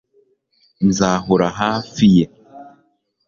nzahora hafi ye